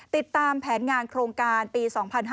ติดตามแผนงานโครงการปี๒๕๕๙